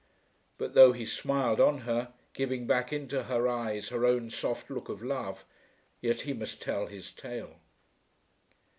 But though he smiled on her, giving back into her eyes her own soft look of love, yet he must tell his tale.